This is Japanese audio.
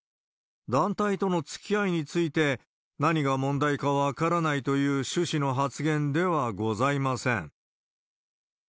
団体とのつきあいについて、何が問題か分からないという趣旨の発言ではございません。